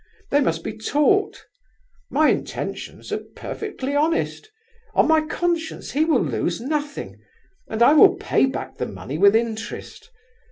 They must be taught. My intentions are perfectly honest; on my conscience he will lose nothing, and I will pay back the money with interest.